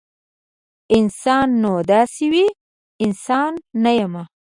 انسان نو داسې وي؟ انسان نه یمه